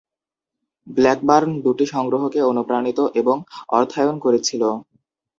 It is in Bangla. ব্ল্যাকবার্ন দুটি সংগ্রহকে অনুপ্রাণিত এবং অর্থায়ন করেছিল।